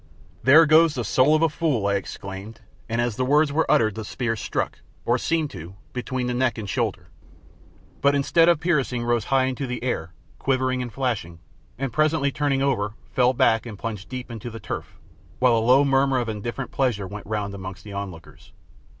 "There goes the soul of a fool!" I exclaimed, and as the words were uttered the spear struck, or seemed to, between the neck and shoulder, but instead of piercing rose high into the air, quivering and flashing, and presently turning over, fell back, and plunged deep into the turf, while a low murmur of indifferent pleasure went round amongst the onlookers.